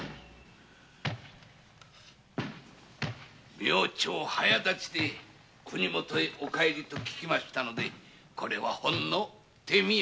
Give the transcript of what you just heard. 明朝早立ちで国もとへお帰りと聞きましたのでこれはほんの手土産。